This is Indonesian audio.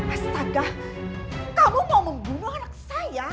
astaga kamu mau membunuh anak saya